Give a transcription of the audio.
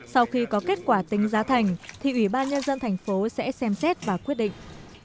sau khi có kết quả tính giá thành thì ủy ban nhân dân thành phố sẽ xem xét và quyết định